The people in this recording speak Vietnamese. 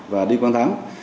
và đi quan thắng